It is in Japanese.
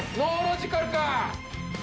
ノーロジカルか。